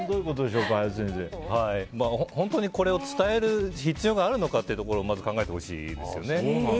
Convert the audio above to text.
本当にこれを伝える必要があるのかということをまず考えてほしいですよね。